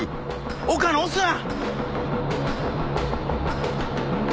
岡野押すな。